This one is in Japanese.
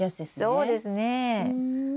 そうですねえ。